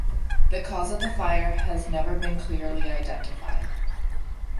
The cause of the fire has never been clearly identified.